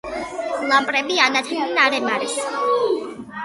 ლამპრები ანათებდნენ არემარეს.